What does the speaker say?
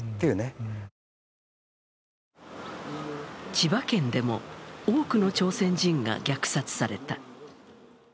千葉県でも多くの朝鮮人が虐殺された。